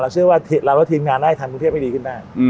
เราเชื่อว่าเราแล้วทีมงานได้ทำกรุงเทพไม่ดีขึ้นได้อืม